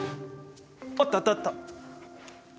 あったあったあった。